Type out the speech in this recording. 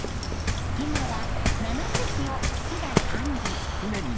今は７隻を区が管理。